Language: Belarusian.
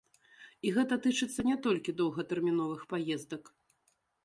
І гэта тычыцца не толькі доўгатэрміновых паездак.